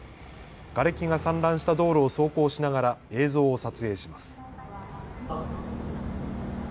がれきが散乱した道路を走行しながら映像を撮影します。